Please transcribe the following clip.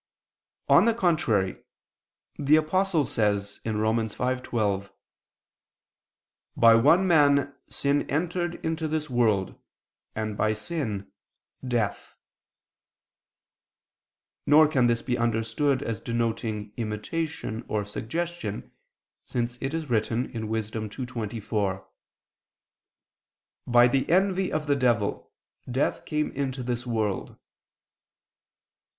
On the contrary, The Apostle says (Rom. 5:12): "By one man sin entered into this world, and by sin death." Nor can this be understood as denoting imitation or suggestion, since it is written (Wis. 2:24): "By the envy of the devil, death came into this world."